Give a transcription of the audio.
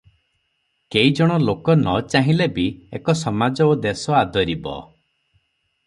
କେଇଜଣ ଲୋକ ନ ଚାହିଁଲେ ବି ଏକ ସମାଜ ଓ ଦେଶ ଆଦରିବ ।